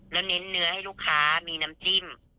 แล้วเน้นเนื้อให้ลูกค้ามีน้ำจิ้ม